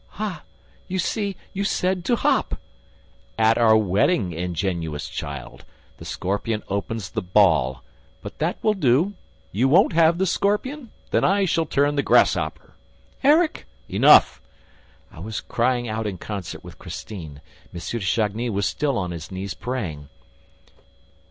"Ah, you see! You said, to hop!" "At our wedding, ingenuous child! ... The scorpion opens the ball... But that will do! ... You won't have the scorpion? Then I turn the grasshopper!" "Erik!" "Enough!" I was crying out in concert with Christine. M. de Chagny was still on his knees, praying.